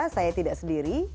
saya tidak sendiri